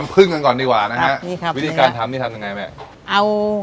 พึ่งกันก่อนดีกว่านะฮะนี่ครับวิธีการทำนี่ทำยังไงแม่เอา